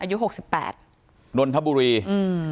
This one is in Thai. อายุหกสิบแปดนลธบุรีอืม